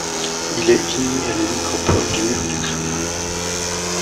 Il est inhumé à la nécropole du mur du Kremlin.